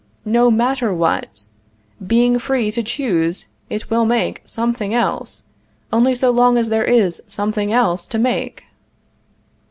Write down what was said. No matter what. Being free to choose, it will make something else only so long as there is something else to make.